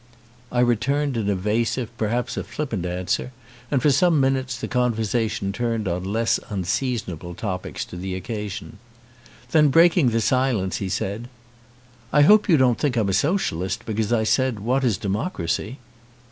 I returned an evasive, perhaps a flippant an swer, and for some minutes the conversation turned on less unseasonable topics to the occa sion. Then breaking his silence, he said : "I hope you don't think I'm a socialist because I said, what is democracy."